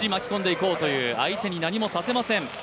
相手に何もさせません。